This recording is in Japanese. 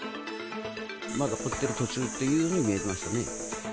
まだ掘ってる途中っていうふうに見えましたね。